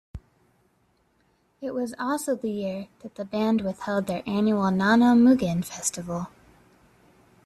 It was also the year that the band withheld their annual Nano-Mugen Festival.